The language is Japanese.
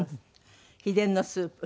秘伝のスープ？